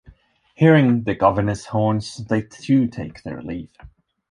Hearing the Governor's horns, they too take their leave.